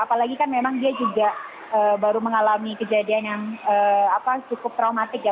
apalagi kan memang dia juga baru mengalami kejadian yang cukup traumatik ya